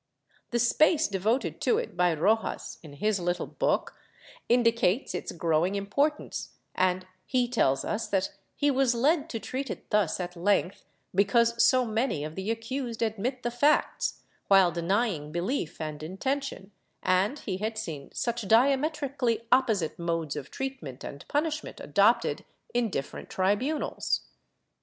The space devoted to it by Rojas, in his little book, indicates its growing importance, and he tells us that he was led to treat it thus at length because so many of the accused admit the facts, while denying belief and intention, and he had seen such diametrically opposite modes of treatment and punishment adopted in different tribunals.